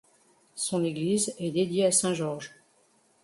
Son église est dédiée à saint Georges.